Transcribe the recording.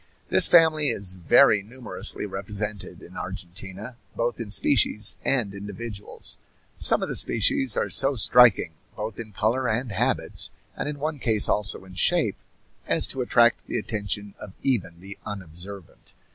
This family is very numerously represented in Argentina, both in species and individuals. Some of the species are so striking, both in color and habits, and in one case also in shape, as to attract the attention of even the unobservant.